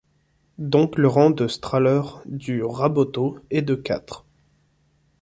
Donc le rang de Strahler du Raboteau est de quatre.